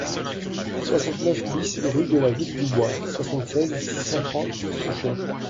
soixante-neuf BIS rue de la Ville du Bois, soixante-seize, six cent trente, Sauchay